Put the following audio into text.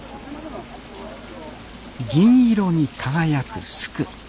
銀色に輝くスク。